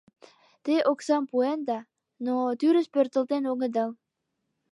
— Те оксам пуэнда, но тӱрыс пӧртылтен огыдал.